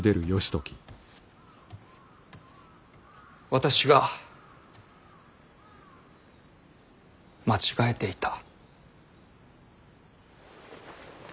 私が間違えていた。